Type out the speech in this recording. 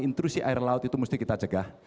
intrusi air laut itu mesti kita cegah